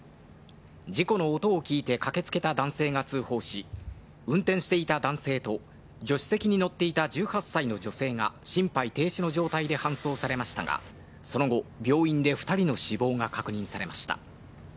事故の音を聞いて駆けつけた男性が通報し、運転していた男性と、助手席に乗っていた１８歳の女性が心肺停止の状態で搬送されましたが、その後、病院で２人の死亡が確認されました。